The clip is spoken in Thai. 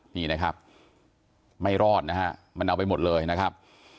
นี่นะครับไม่รอดนะฮะมันเอาไปหมดเลยนะครับ